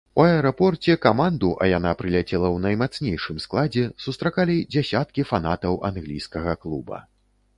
У аэрапорце каманду, а яна прыляцела ў наймацнейшым складзе, сустракалі дзясяткі фанатаў англійскага клуба.